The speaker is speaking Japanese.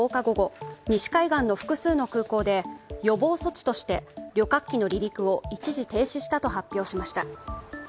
午後西海岸の複数の空港で予防措置として、旅客機の離陸を一時停止したと発表しました。